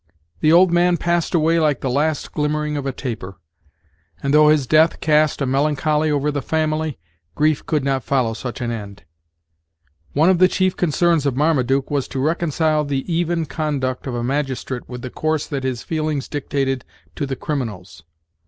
The old man passed away like the last glimmering of a taper; and, though his death cast a melancholy over the family, grief could not follow such an end. One of the chief concerns of Marmaduke was to reconcile the even conduct of a magistrate with the course that his feelings dictated to the criminals.